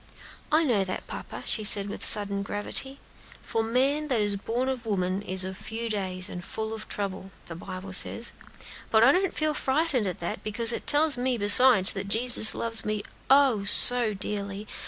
"I know that, papa," she said with sudden gravity, "'for man that is born of woman is of few days, and full of trouble,' the Bible says; but I don't feel frightened at that, because it tells me, besides, that Jesus loves me, _oh, so dearly!